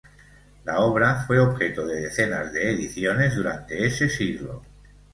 La obra fue objeto de decenas de ediciones durante ese siglo.